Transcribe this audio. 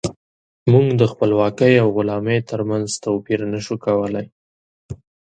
موږ د خپلواکۍ او غلامۍ ترمنځ توپير نشو کولی.